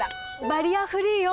バリアフリーよ。